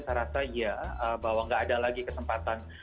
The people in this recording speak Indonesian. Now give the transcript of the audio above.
saya rasa ya bahwa gak ada lagi kesempatan